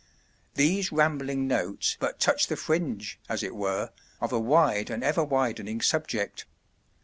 ] These rambling notes but touch the fringe as it were of a wide and ever widening subject.